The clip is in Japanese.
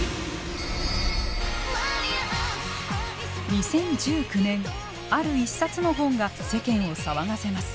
２０１９年ある一冊の本が世間を騒がせます。